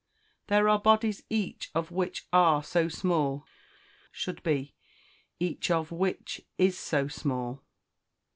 "There are bodies each of which are so small," should be, "each of which is so small."